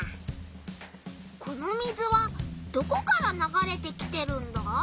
この水はどこからながれてきてるんだ？